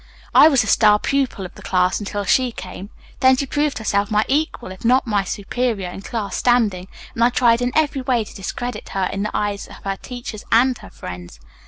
I was the star pupil of the class until she came, then she proved herself my equal if not my superior in class standing, and I tried in every way to discredit her in the eyes of her teachers and her friends.